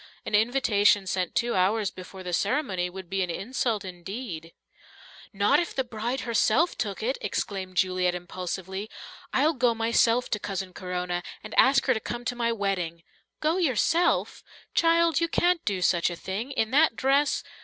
An invitation sent two hours before the ceremony would be an insult indeed." "Not if the bride herself took it!" exclaimed Juliet impulsively. "I'll go myself to Cousin Corona, and ask her to come to my wedding." "Go yourself! Child, you can't do such a thing! In that dress...."